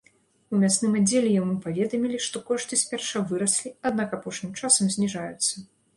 У мясным аддзеле яму паведамілі, што кошты спярша выраслі, аднак апошнім часам зніжаюцца.